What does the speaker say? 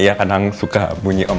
iya kadang suka bunyi om